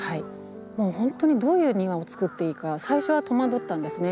もう本当にどういう庭をつくっていいか最初は戸惑ったんですね。